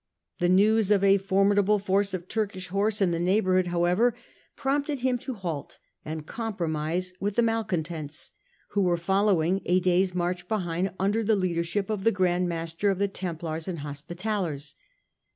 The news of a formidable force of Turkish horse in the neighbourhood, however, prompted him to halt and compromise with the malcontents, who were following a day's march behind under the leadership of the Grand Masters of the Templars and Hospitallers.